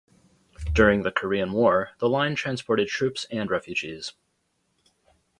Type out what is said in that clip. During the Korean War, the line transported troops and refugees.